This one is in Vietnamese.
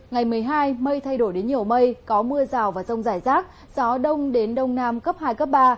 ngày một mươi hai mây thay đổi đến nhiều mây có mưa rào và rông rải rác gió đông đến đông nam cấp hai cấp ba